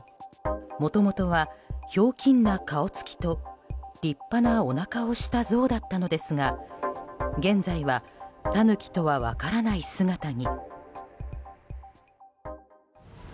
もともとはひょうきんな顔つきと立派なおなかをした像だったのですが現在はタヌキとは分からない姿に。